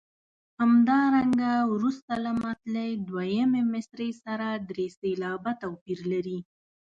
همدارنګه وروسته له مطلع دویمې مصرع سره درې سېلابه توپیر لري.